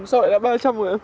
sao lại đã ba trăm linh rồi